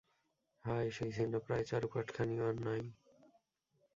হায়, সেই ছিন্নপ্রায় চারুপাঠখানিও আর নাই।